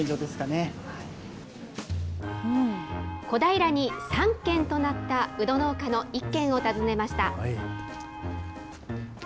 小平に３軒となったうど農家の１軒を訪ねました。